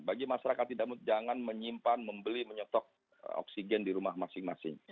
bagi masyarakat di damut jangan menyimpan membeli menyetok oksigen di rumah masing masing